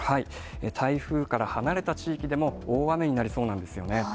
台風から離れた地域でも、大雨になりそうなんですよね。